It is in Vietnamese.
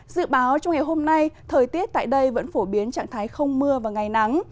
dự báo trong ngày hôm nay thời tiết tại đây vẫn phổ biến trạng thái không mưa và ngày nắng